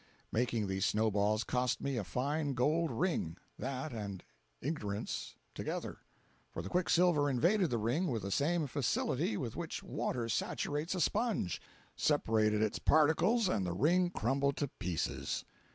Making these snow balls cost me a fine gold ring—that and ignorance together; for the quicksilver invaded the ring with the same facility with which water saturates a sponge—separated its particles and the ring crumbled to pieces.